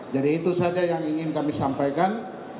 jadi itu saja yang ingin kami sampaikan